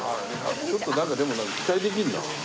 ちょっとなんかでも期待できるな。